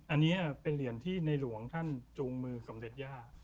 อันนี้เป็นเหรียญที่ในหลวงท่านจูงมือสมเด็จย่า